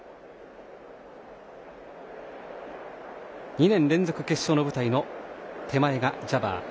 ２年連続決勝の舞台のジャバー。